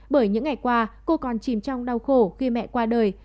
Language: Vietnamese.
bởi những ngày qua cô còn chìm trong đau khổ khi mẹ qua đời